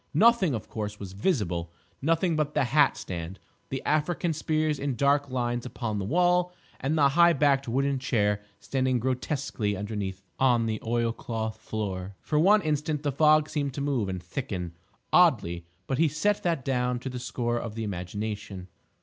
Nothing, of course, was visible—nothing but the hat stand, the African spears in dark lines upon the wall and the high backed wooden chair standing grotesquely underneath on the oilcloth floor. For one instant the fog seemed to move and thicken oddly; but he set that down to the score of the imagination.